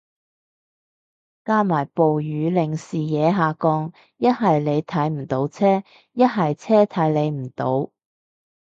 加埋暴雨令視野下降，一係你睇唔到車，一係車睇你唔到